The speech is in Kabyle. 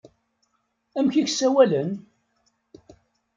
Amek i k-ssawalen?